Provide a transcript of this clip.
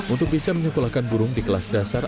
untuk bisa menyekolahkan burung di kelas dasar